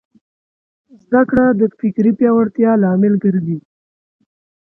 زدهکړه د فکري پیاوړتیا لامل ګرځي.